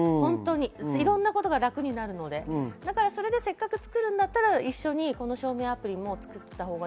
いろんなことが楽になるので、せっかく作るんだったら一緒にこの証明アプリも作ったほうがい